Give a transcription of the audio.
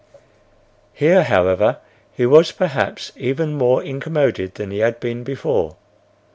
Here, however, he was perhaps even more incommoded than he had been before.